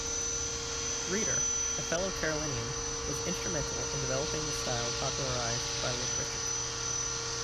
Reeder, a fellow Carolinian, was instrumental in developing the style popularized by Little Richard.